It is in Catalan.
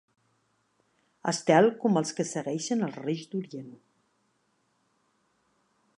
Estel com el que segueixen els Reis d'Orient.